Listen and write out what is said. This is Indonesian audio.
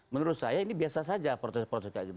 menurut saya ini biasa saja protes protes kayak gitu